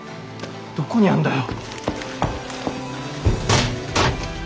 どこにあんだよ。